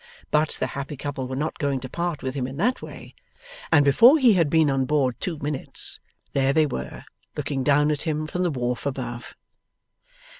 But, the happy couple were not going to part with him in that way, and before he had been on board two minutes, there they were, looking down at him from the wharf above.